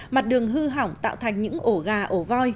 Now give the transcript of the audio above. mặt đường hư hỏng tạo thành những ổ gà ổ voi